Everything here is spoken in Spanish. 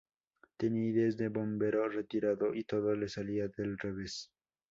Tenía ideas de bombero retirado y todo le salía del revés